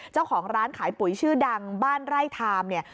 เจ้าของร้านขายปุ๋ยชื่อดังบ้านไร่ทามเนี่ย